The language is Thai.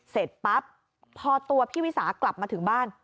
เสร็จปั๊บพอตัวพี่วิสากลับมาถึงบ้าน